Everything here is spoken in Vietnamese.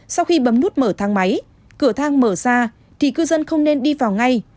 sau khi bấm nút mở thang máy cửa thang mở ra thì cư dân không nên đi vào ngay